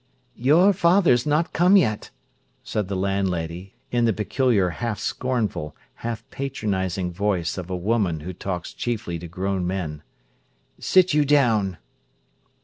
"Your father's not come yet," said the landlady, in the peculiar half scornful, half patronising voice of a woman who talks chiefly to grown men. "Sit you down."